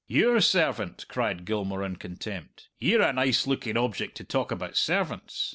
"Your servant!" cried Gilmour in contempt. "Ye're a nice looking object to talk about servants."